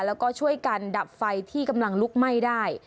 แล้วก็ช่วยกันดับไฟที่กำลังลุกไหม้ได้